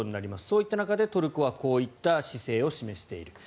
そういった中でトルコはこういった姿勢を示している。